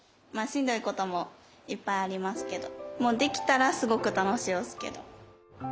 しんどいこともいっぱいありますけどできたらすごくたのしおすけど。